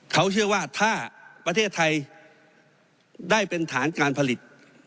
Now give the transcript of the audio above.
เขาเชื่อว่าถ้าประเทศไทยได้เป็นฐานการผลิต